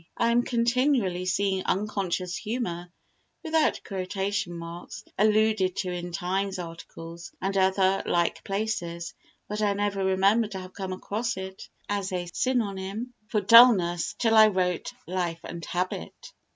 I am continually seeing unconscious humour (without quotation marks) alluded to in Times articles and other like places, but I never remember to have come across it as a synonym for dullness till I wrote Life and Habit.